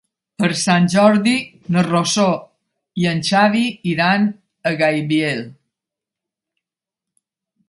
Per Sant Jordi na Rosó i en Xavi iran a Gaibiel.